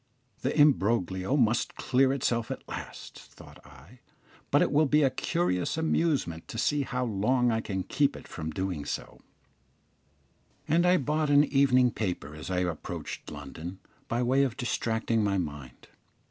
"The imbroglio must clear itself at last," thought I, "but it will be a curious amusement to see how long I can keep it from doing so;" and I bought an evening paper as I approached London, by way of distracting my mind.